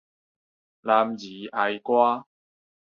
男兒哀歌